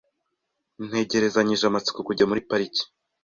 Ntegerezanyije amatsiko kujya muri pariki.